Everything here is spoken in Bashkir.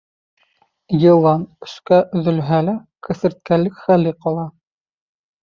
Йылан өскә өҙөлһә лә кеҫәрткелек хәле ҡала.